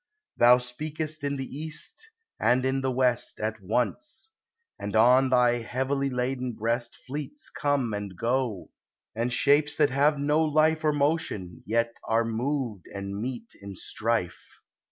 Thou speakest in the east and in the west At once, and on thy heavily laden breast Fleets come and go, and shapes that have no life Or motion, yet are moved and meet in strife.